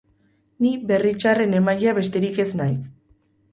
Ni berri txarren emailea besterik ez naiz.